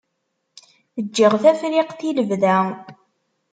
Ǧǧiɣ Tafriqt i lebda.